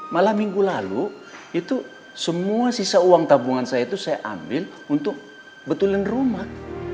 malah minggu lalu itu semua sisa uang tabungan saya itu saya ambil untuk betulin rumah